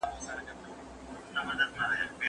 زړو ماشينونو فابريکو ته سخت مالي زيانونه اړولي وو.